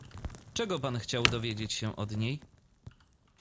"Czego pan chciał dowiedzieć się od niej?"